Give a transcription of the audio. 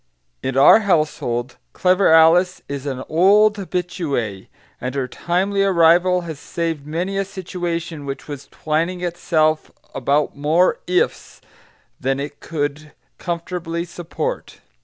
In our household clever Alice is an old habituée, and her timely arrival has saved many a situation which was twining itself about more "ifs" than it could comfortably support.